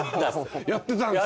やってたんですね。